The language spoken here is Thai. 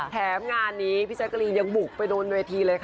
แถมงานนี้พี่แจ๊กกะรีนยังบุกไปโดนเวทีเลยค่ะ